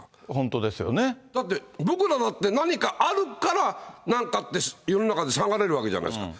だって僕らだって何かあるから、なんかあって世の中で騒がれるじゃないですか。